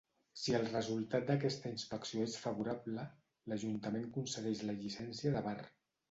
Si el resultat d'aquesta inspecció és favorable, l'ajuntament concedeix la llicència de bar.